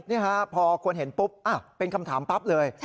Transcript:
นี่ฮะพอคนเห็นปุ๊บเป็นคำถามปั๊บเลย